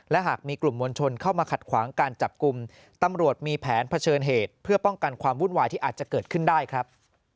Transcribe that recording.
และหากมีกลุ่มมวลชนเข้ามาขัดขวางการจับกลุ่มตำรวจมีแผนเผชิญเหตุเพื่อป้องกันความวุ่นวายที่อาจจะเกิดขึ้นได้ครับ